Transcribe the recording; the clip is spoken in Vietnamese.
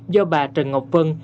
do bà trần ngọc vân